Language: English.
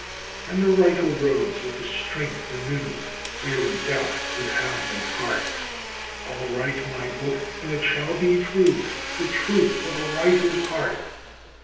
And the writer rose with a strength anew wherein Doubt could have no part; 'I'll write my book and it shall be true the truth of a writer's heart.